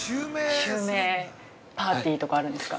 ◆襲名パーティーとかあるんですか。